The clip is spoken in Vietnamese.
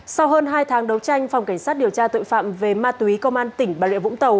sau hơn hai tháng đấu tranh phòng cảnh sát điều tra tội phạm về ma túy công an tỉnh bà rịa vũng tàu